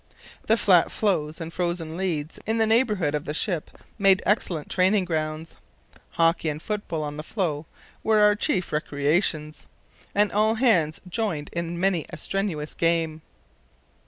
The flat floes and frozen leads in the neighbourhood of the ship made excellent training grounds. Hockey and football on the floe were our chief recreations, and all hands joined in many a strenuous game.